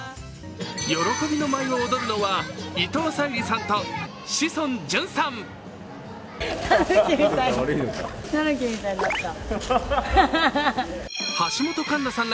喜びの舞を踊るのは伊藤沙莉さんと志尊淳さん。